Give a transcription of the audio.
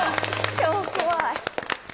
超怖い。